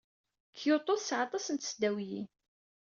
Kyoto tesɛa aṭas n tesdawiyin.